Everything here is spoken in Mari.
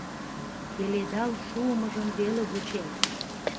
Пеледал шуымыжым веле вучем.